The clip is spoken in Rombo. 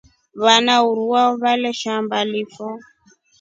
Vana uruu veshamba lilifo.